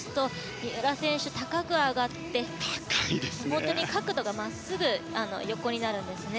三浦選手、高く上がって角度が真っすぐ、横になるんですね。